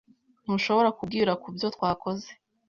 Ntushobora kubwira kubyo twakoze